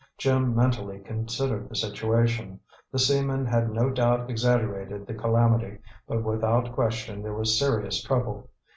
Jim mentally considered the situation. The seamen had no doubt exaggerated the calamity, but without question there was serious trouble.